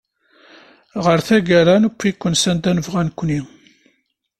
Ɣer tagara newwi-ken sanda nebɣa nekni.